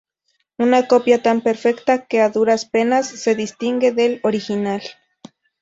Una copia tan perfecta que a duras penas se distingue del original